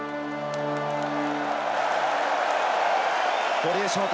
堀江翔太